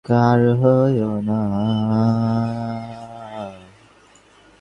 বিনোদিনীকে দেখিবে বলিয়া মহেন্দ্রের যে কৌতূহল ছিল না, তাহা নহে।